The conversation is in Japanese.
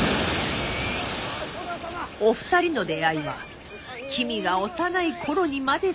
お二人の出会いは君が幼い頃にまで遡り。